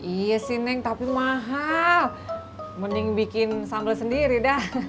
iya sih neng tapi mahal mending bikin sambel sendiri dah